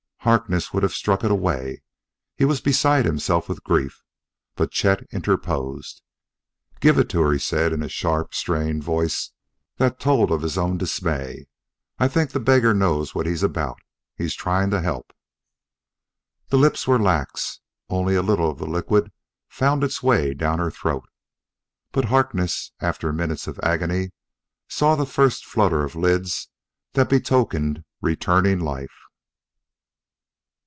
Harkness would have struck it away; he was beside himself with grief. But Chet interposed. "Give it to her," he said in a sharp, strained voice that told of his own dismay. "I think the beggar knows what he's about. He is trying to help." The lips were lax; only a little of the liquid found its way down her throat. But Harkness, after minutes of agony, saw the first flutter of lids that betokened returning life....